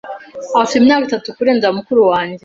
Afite imyaka itatu kurenza mukuru wanjye.